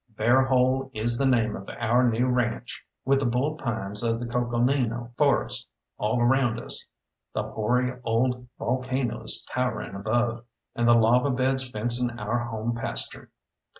Bear Hole is the name of our new ranche, with the bull pines of the coconino forest all around us, the hoary old volcanoes towering above, and the lava beds fencing our home pasture.